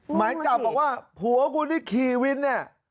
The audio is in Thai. หมายจับบอกว่าผัวกูที่ขี่วินเนี่ย